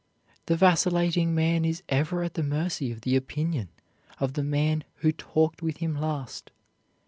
The vacillating man is ever at the mercy of the opinion of the man who talked with him last.